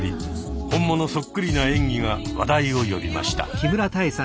本物そっくりな演技が話題を呼びました。